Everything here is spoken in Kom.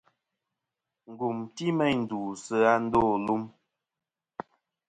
Ngùm ti meyn ndu sɨ a ndô lum.